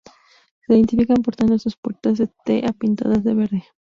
Se identifican por tener sus puertas de tea pintadas de verde.